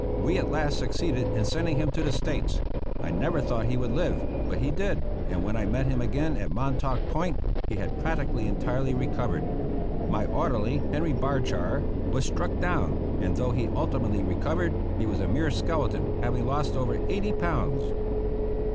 We at last succeeded in sending him to the States. I never thought he would live, but he did, and when I met him again at Montauk Point he had practically entirely recovered. My orderly, Henry Bardshar, was struck down, and though he ultimately recovered, he was a mere skeleton, having lost over eighty pounds.